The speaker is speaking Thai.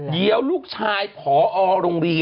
เดี๋ยวลูกชายผอโรงเรียน